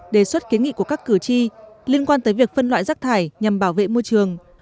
đề xuất kiến nghị của các cử tri liên quan tới việc phân loại rác thải nhằm bảo vệ môi trường